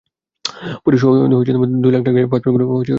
পরে সোয়া দুই লাখ টাকা দিয়ে পাসপোর্টগুলো নিয়ে যাওয়ার কথা ছিল।